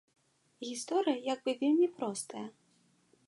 Гісторыя як бы вельмі простая.